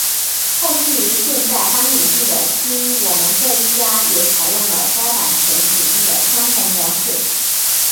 后续于现在刚引进的新我们这一家也采用了该版权引进的相同模式。